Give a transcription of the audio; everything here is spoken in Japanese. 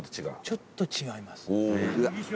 ちょっと違います。